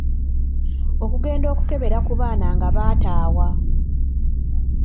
Okugenda okukebera ku baana nga bataawa.